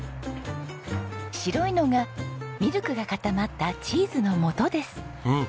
白いのがミルクが固まったチーズのもとです。